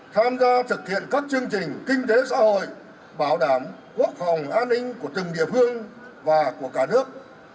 tham gia thực hiện các chương trình kinh tế xã hội bảo đảm quốc phòng an ninh của từng địa phương và của cả nước